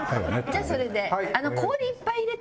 じゃあそれで。